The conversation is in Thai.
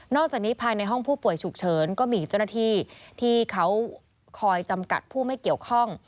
จากนี้ภายในห้องผู้ป่วยฉุกเฉินก็มีเจ้าหน้าที่ที่เขาคอยจำกัดผู้ไม่เกี่ยวข้อง